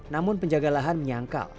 namun penjaga lahan menyangkal